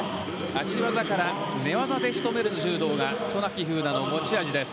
足技から寝技で仕留める柔道が渡名喜風南の持ち味です。